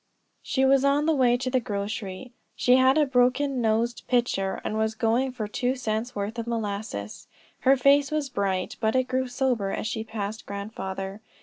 She was on the way to the grocery. She had a broken nosed pitcher, and was going for two cents' worth of molasses. Her face was bright, but it grew sober as she passed grandfather.